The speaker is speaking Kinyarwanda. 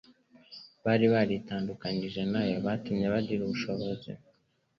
bari baritandukanyije nayo byatumye bagira ubushishozi.